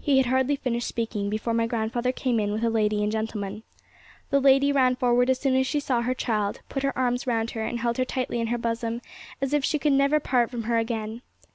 He had hardly finished speaking before my grandfather came in with a lady and gentleman. The lady ran forward as soon as she saw her child, put her arms round her, and held her tightly in her bosom, as if she could never part from her again.